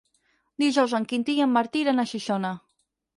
Dijous en Quintí i en Martí iran a Xixona.